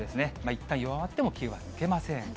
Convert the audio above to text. いったん弱まっても、気は抜けません。